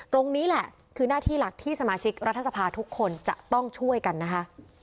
ตรงนี้แหละคือหน้าที่หลักที่สมาชิกรัฐสภาทุกคนจะต้องช่วยกันนะคะ